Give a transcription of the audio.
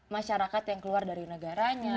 masyarakat yang keluar dari negaranya